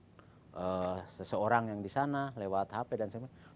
misalnya si a sering nekan nekan seseorang yang disana lewat kejaksaan itu kita bisa menggunakan itu semua